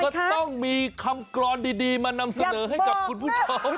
ก็ต้องมีคำกรอนดีมานำเสนอให้กับคุณผู้ชม